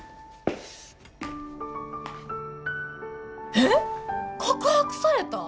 えっ告白された！？